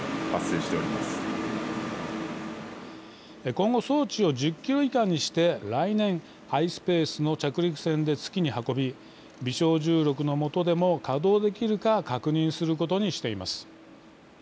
今後装置を１０キロ以下にして来年ｉｓｐａｃｅの着陸船で月に運び微小重力のもとでも稼働できるか確認することにしています。